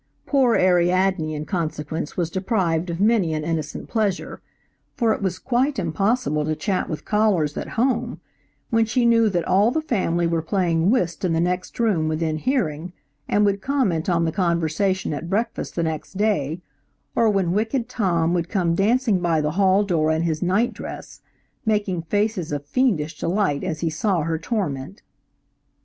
Poor Ariadne in consequence was deprived of many an innocent pleasure, for it was quite impossible to chat with callers at home when she knew that all the family were playing whist in the next room within hearing and would comment on the conversation at breakfast the next day, or when wicked Tom would come dancing by the hall door in his night dress, making faces of fiendish delight as he saw her torment.